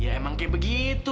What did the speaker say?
ya emang kayak begitu